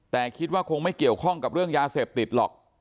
แต่คิดว่าคงไม่เกี่ยวข้องกับเรื่องยาเสพติดหรอก